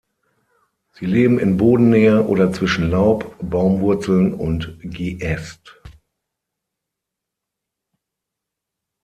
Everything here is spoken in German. Sie leben in Bodennähe oder zwischen Laub, Baumwurzeln und Geäst.